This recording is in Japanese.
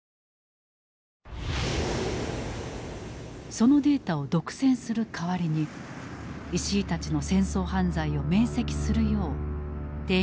そのデータを独占する代わりに石井たちの戦争犯罪を免責するよう提言していたのだ。